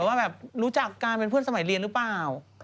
ว่าแบบรู้จักการเป็นเพื่อนสมัยเรียนหรือเปล่า